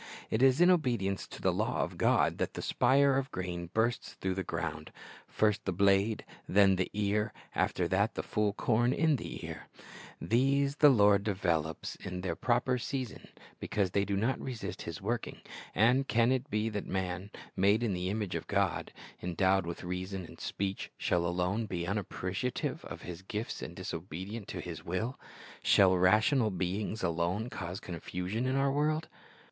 It is in obedience to the law of God that the spire of grain bursts through the ground, "first the blade, then the ear, after that the full corn in the ear."* These the Lord develops 6 »Ps. 33:9 2Matt. 6:11, 30 •■'Ps. 65:9 11, R. v. ■« Mark 4 : 28 82 Christ^s Object Lessons in their proper season because they do not resist His working. And can it be that man, made in the image of God, endowed with reason and speech, shall alone be unappreciative of His gifts and disobedient to His will? Shall rational beings alone cause confusion in our world?